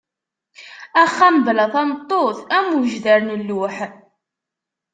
Axxam bla tameṭṭut am ujdar n lluḥ.